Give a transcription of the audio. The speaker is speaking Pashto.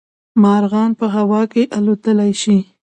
مارغان په هوا کې الوتلی شي